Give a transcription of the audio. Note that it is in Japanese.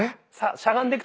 しゃがんでく